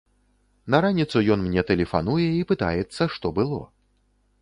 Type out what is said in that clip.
На раніцу ён мне тэлефануе і пытаецца, што было.